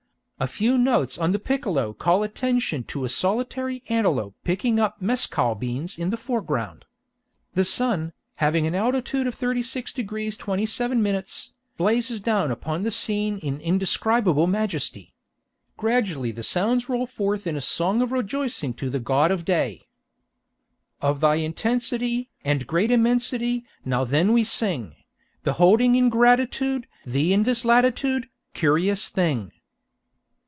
A few notes on the piccolo call attention to a solitary antelope picking up mescal beans in the foreground. The sun, having an altitude of 36 degrees 27 minutes, blazes down upon the scene in indescribable majesty. "Gradually the sounds roll forth in a song" of rejoicing to the God of Day: "Of thy intensity And great immensity Now then we sing; Beholding in gratitude Thee in this latitude, Curious thing."